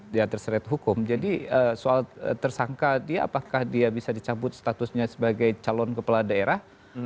dia terseret hukum jadi soal tersangka dia apakah dia bisa dicabut statusnya sebagai calon kepala daerah